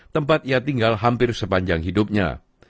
tempat ia tinggal hampir sepanjang hidupnya